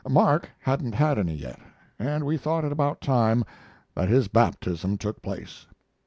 Mark hadn't had any yet, and we thought it about time that his baptism took place.